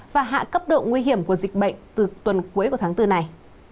và hạ cấp độ nguy hiểm của dịch bệnh từ tuần cuối của tháng bốn này